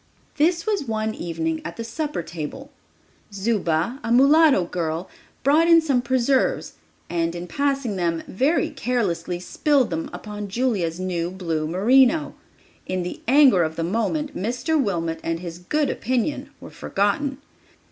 This was one evening at the supper table. Zuba, a mulatto girl, brought in some preserves and, in passing them, very carelessly spilled them upon Julia's new blue merino. In the anger of the moment Mr. Wilmot and his good opinion were forgotten.